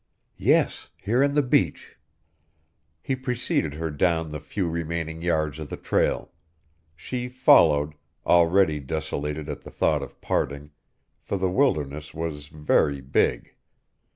"Yes here on the beach." He preceded her down the few remaining yards of the trail. She followed, already desolated at the thought of parting, for the wilderness was very big.